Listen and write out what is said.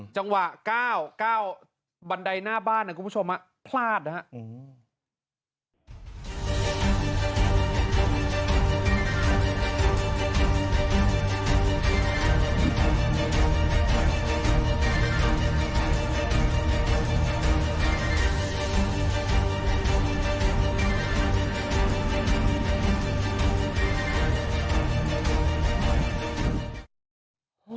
จังหวะ๙๙บันไดหน้าบ้านนะคุณผู้ชมพลาดนะครับ